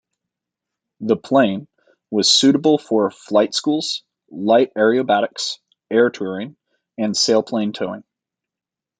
The plane was suitable for flight schools, light aerobatics, air touring and sailplane towing.